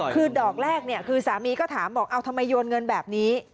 คือดอกแรกเนี่ยคือสามีก็ถามบอกเอาทำไมโยนเงินแบบนี้